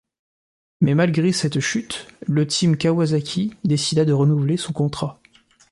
Mais malgré cette chute, le team Kawasaki décida de renouveler son contrat.